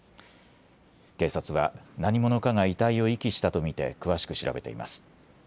警察は何者かが遺体を遺棄したと見て詳しく調べています。